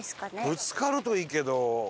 ぶつかるといいけど。